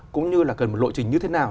cũng như là cần một lộ trình như thế nào